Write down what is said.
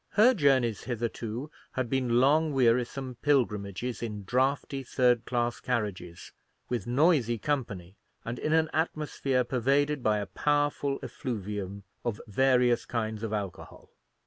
Her journeys hitherto had been long wearisome pilgrimages in draughty third class carriages, with noisy company, and in an atmosphere pervaded by a powerful effluvium of various kinds of alcohol.